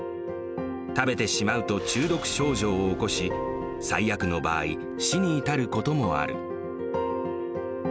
食べてしまうと中毒症状を起こし、最悪の場合、死に至ることもある。